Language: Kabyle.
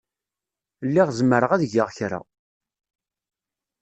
Lliɣ zemreɣ ad geɣ kra.